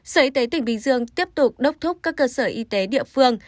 sở y tế tỉnh bình dương tiếp tục đốc thúc các cơ sở y tế địa phương